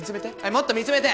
もっと見つめて！